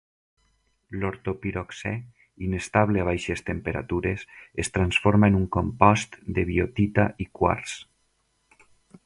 L'ortopiroxè, inestable a baixes temperatures, es transforma en un compost de biotita i quars.